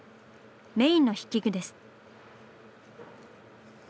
メインの筆記具です。